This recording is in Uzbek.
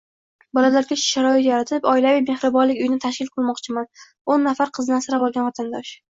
“Bolalarga sharoit yaratib, oilaviy mehribonlik uyini tashkil qilmoqchiman” -o'nnafar qizni asrab olgan vatandosh